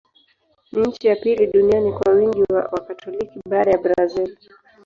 Ni nchi ya pili duniani kwa wingi wa Wakatoliki, baada ya Brazil.